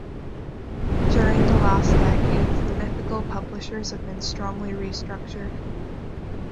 During the last decades, the mythical publishers have been strongly restructured.